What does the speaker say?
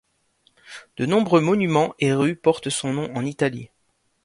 De nombreux monuments et rues portent son nom en Italie.